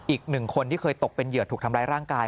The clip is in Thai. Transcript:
อีกหนึ่งคนที่เคยตกเป็นเหยื่อถูกทำร้ายร่างกาย